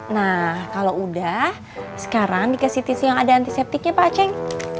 nah kalau udah sekarang dikasih tisu yang ada antiseptiknya pak ceng